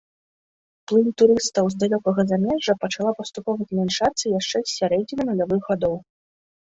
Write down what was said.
Плынь турыстаў з далёкага замежжа пачала паступова змяншацца яшчэ з сярэдзіны нулявых гадоў.